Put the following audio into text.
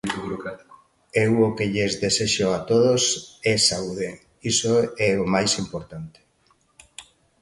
Eu o que lles desexo a todos é saúde, iso é o máis importante.